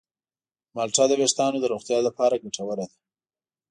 مالټه د ویښتانو د روغتیا لپاره ګټوره ده.